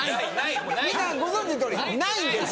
みんなご存じのとおりないんです。